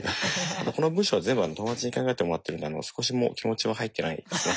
あとこの文章は全部友達に考えてもらってるんで少しも気持ちは入ってないですね。